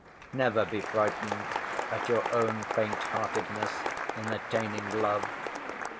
Never be frightened at your own faint‐heartedness in attaining love.